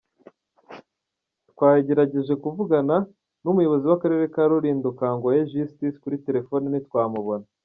Twagerageje kuvugana n’umuyobozi w’Akarere ka Rurindo Kangwagye Justus kuri telefone ntitwamubona.